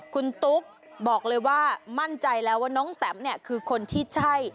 คุณตุ๊กบอกเลยว่ามั่นใจแล้วว่าน้องแตมเนี่ยคือคนที่ใช่